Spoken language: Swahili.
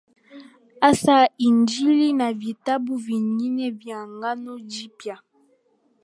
hasa Injili na vitabu vingine vya Agano Jipya